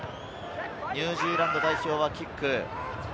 ニュージーランド代表はキック。